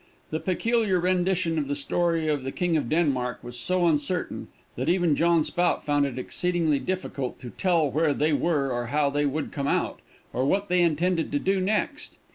The peculiar rendition of the story of the King of Denmark was so uncertain, that even John Spout found it exceedingly difficult to tell where they were or how they would come out, or what they intended to do next.